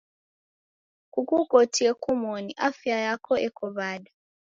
Kukukotie kumoni, afia yako eko w'ada?